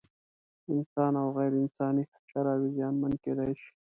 انسان او غیر انساني حشراوې زیانمن کېدای شي.